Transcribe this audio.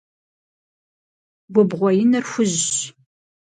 Губгъуэ иныр хужьщ.